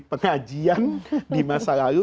pengajian di masa lalu